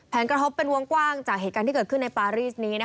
กระทบเป็นวงกว้างจากเหตุการณ์ที่เกิดขึ้นในปารีสนี้